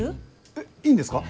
えっいいんですか？